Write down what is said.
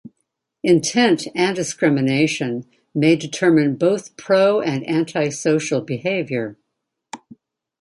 Intent and discrimination may determine both pro- and anti-social behavior.